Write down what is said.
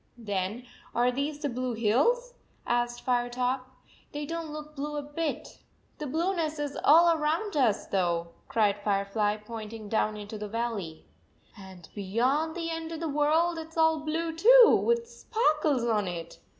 "Then are these the blue hills?" asked Firetop. " They don t look blue a bit." 98 " The bliifeness is all around us, though," cried Firefly, pointing down into the valley. "And beyond the end of the world, it s all blue too, with sparkles on it